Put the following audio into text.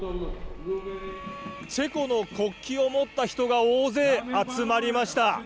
チェコの国旗を持った人が大勢、集まりました。